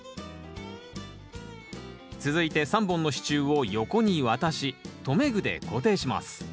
続いて３本の支柱を横に渡し留め具で固定します